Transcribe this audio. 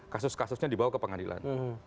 kasus kasusnya dibawa ke pengadilan